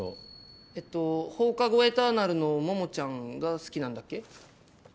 えっと『放課後エターナル』のモモちゃんが好きなんだっけ？